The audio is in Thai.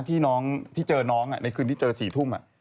ที่เจอน้องในคืนที่เจอสี่ทุ่ม